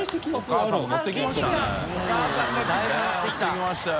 ッてきましたよ。